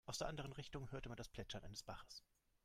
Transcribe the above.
Aus der anderen Richtung hörte man das Plätschern eines Baches.